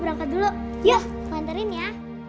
berangkat dulu ya keterin ya